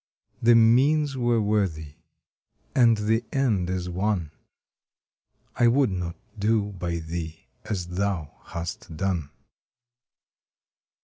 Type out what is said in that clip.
The means were worthy, and the end is won I would not do by thee as thou hast done!